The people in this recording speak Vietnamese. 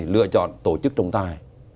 lựa chọn tổ chức trọng tài